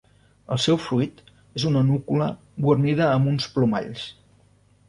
El seu fruit és una núcula guarnida amb uns plomalls.